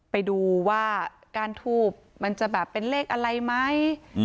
ไปดูว่าก้านทูบมันจะแบบเป็นเลขอะไรไหม